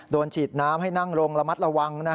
ฉีดน้ำให้นั่งลงระมัดระวัง